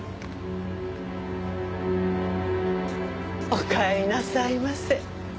おかえりなさいませ。